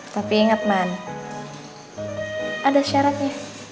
tapi ingat man ada syaratnya